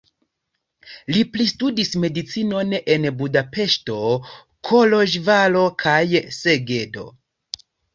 Li pristudis medicinon en Budapeŝto, Koloĵvaro kaj Segedo.